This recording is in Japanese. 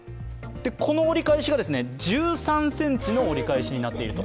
この折り返しが１３ｃｍになっていると。